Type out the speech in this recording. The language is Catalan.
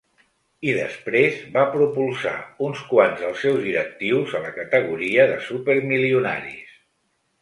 I després va propulsar uns quants dels seus directius a la categoria de supermilionaris.